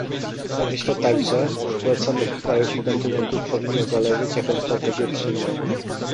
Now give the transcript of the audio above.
Myślę także, że od samych krajów i kontynentów powinno zależeć, jaką strategię przyjmą